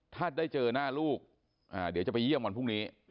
ถ้าได้เจอหน้าลูกเดี๋ยวจะไปเยี่ยมวันพรุ่งนี้